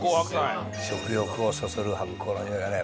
食欲をそそる発酵のにおいがね。